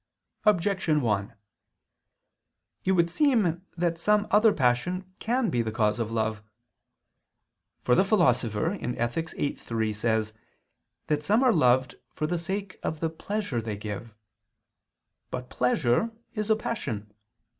Objection 1: It would seem that some other passion can be the cause of love. For the Philosopher (Ethic. viii, 3) says that some are loved for the sake of the pleasure they give. But pleasure is a passion.